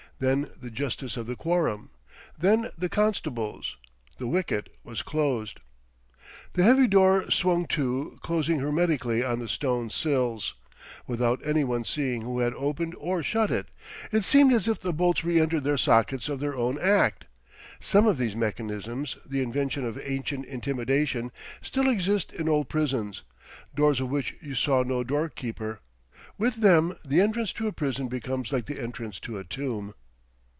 Then the justice of the quorum. Then the constables. The wicket was closed. The heavy door swung to, closing hermetically on the stone sills, without any one seeing who had opened or shut it. It seemed as if the bolts re entered their sockets of their own act. Some of these mechanisms, the inventions of ancient intimidation, still exist in old prisons doors of which you saw no doorkeeper. With them the entrance to a prison becomes like the entrance to a tomb.